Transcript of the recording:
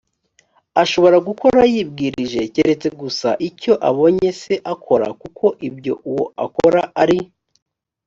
ashobora gukora yibwirije keretse gusa icyo abonye se akora kuko ibyo uwo akora ari